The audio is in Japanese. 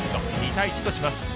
２対１とします。